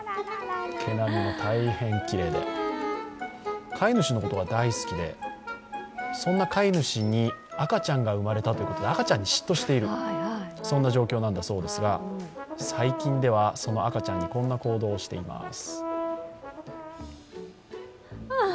毛並みも大変きれいで、飼い主のことが大好きで、そんな飼い主に、赤ちゃんが生まれたということで赤ちゃんに嫉妬している、そんな状況なんだそうですが、最近ではその赤ちゃんにこんな行動をしています。